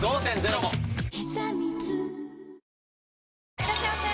いらっしゃいませ！